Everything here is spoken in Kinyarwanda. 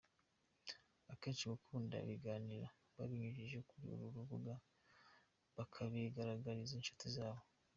Kenshi bakunda kuganira babinyujije kuri uru rubuga bakabigaragariza inshuti zabo.